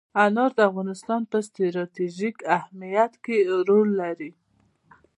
انار د افغانستان په ستراتیژیک اهمیت کې رول لري.